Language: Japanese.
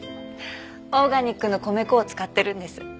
オーガニックの米粉を使ってるんです。